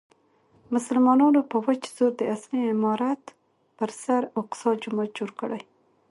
مسلمانانو په وچ زور د اصلي عمارت پر سر اقصی جومات جوړ کړی.